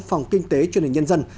phòng kinh tế truyền hình nhân dân